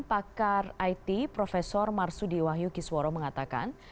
pakar it prof marsudi wahyu kisworo mengatakan